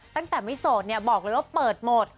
ตั้งแต่ไม่โสดเนี่ยบอกเลยว่าเปิดหมด